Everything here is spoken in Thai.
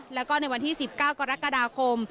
แล้วก็ในวันที่๑๙กรกฎาคม